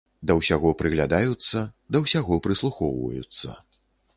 Да ўсяго прыглядаюцца, да ўсяго прыслухоўваюцца.